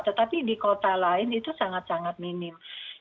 tetapi di kota lain itu sangat sangat minim